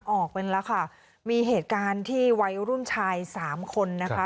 ออกไปแล้วค่ะมีเหตุการณ์ที่วัยรุ่นชายสามคนนะคะ